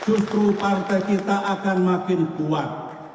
justru partai kita akan makin kuat